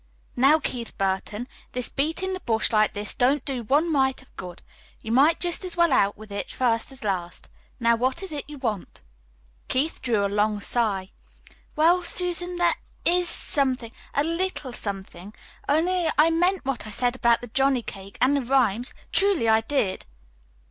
"Now, Keith Burton, this beatin' the bush like this don't do one mite of good. You might jest as well out with it first as last. Now, what is it you want?" Keith drew a long sigh. "Well, Susan, there IS something a little something only I meant what I said about the johnny cake and the rhymes; truly, I did."